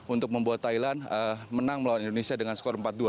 untuk membuat thailand menang melawan indonesia dengan skor empat dua